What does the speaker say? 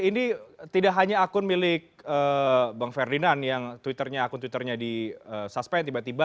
jadi tidak hanya akun milik bang ferdinand yang akun twitternya di suspend tiba tiba